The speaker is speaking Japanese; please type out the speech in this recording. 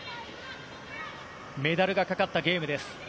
メダルがかかったゲームです。